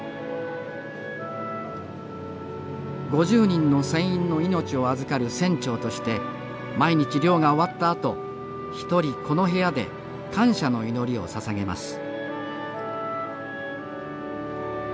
５０人の船員の命を預かる船長として毎日漁が終ったあと一人この部屋で感謝の祈りをささげます